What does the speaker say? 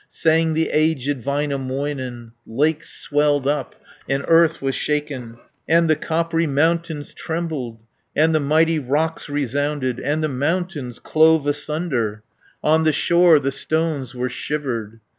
Sang the aged Väinämöinen; Lakes swelled up, and earth was shaken, And the coppery mountains trembled. And the mighty rocks resounded. And the mountains clove asunder; On the shore the stones were shivered.